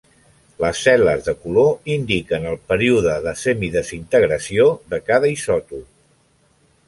Les cel·les de color indiquen el període de semidesintegració de cada isòtop.